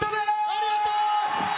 ありがとう！